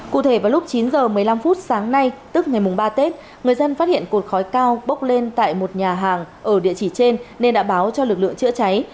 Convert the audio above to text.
cụ thể vào lúc chín h một mươi năm phút sáng nay tức ngày ba tết người dân phát hiện cột khói cao bốc lên tại một nhà hàng ở địa chỉ trên nên đã báo cho lực lượng chữa cháy